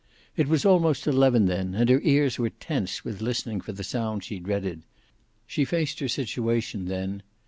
It was almost eleven then, and her ears were tense with listening for the sound she dreaded. She faced her situation, then.